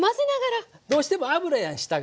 どうしても油やん下が。